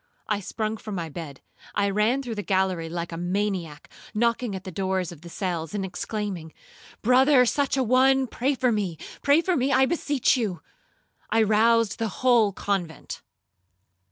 I sprung from my bed, I ran through the gallery like a maniac, knocking at the doors of the cells, and exclaiming, 'Brother such a one, pray for me,—pray for me, I beseech you.' I roused the whole convent.